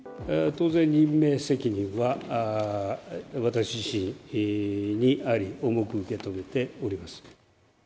当然、任命責任は私自身にあり、重く受け止めております。